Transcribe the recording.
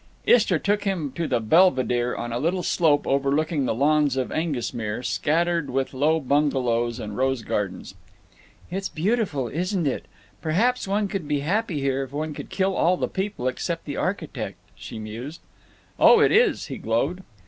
Istra took him to the belvedere on a little slope overlooking the lawns of Aengusmere, scattered with low bungalows and rose gardens. "It is beautiful, isn't it? Perhaps one could be happy here—if one could kill all the people except the architect," she mused. "Oh, it is," he glowed.